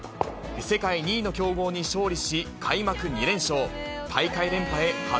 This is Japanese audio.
世界２位の強豪に勝利し、開幕２連勝。